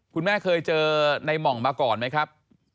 คุณแม่เคยเจอในหม่องมาก่อนไหมครับ